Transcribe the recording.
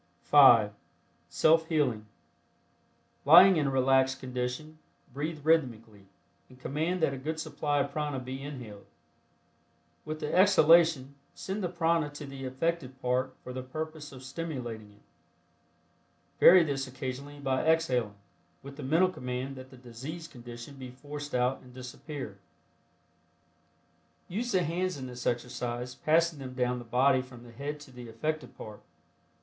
(5) SELF HEALING. Lying in a relaxed condition, breathe rhythmically, and command that a good supply of prana be inhaled. With the exhalation, send the prana to the affected part for the purpose of stimulating it. Vary this occasionally by exhaling, with the mental command that the diseased condition be forced out and disappear. Use the hands in this exercise, passing them down the body from the head to the affected part.